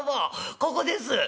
ここです」。